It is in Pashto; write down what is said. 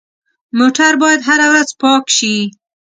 موټر باید هره ورځ پاک شي.